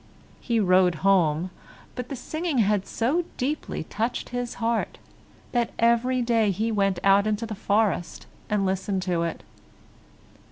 He rode home, but the singing had so deeply touched his heart, that every day he went out into the forest and listened to it.